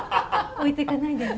置いてかないでね。